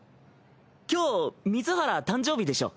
今日水原誕生日でしょ？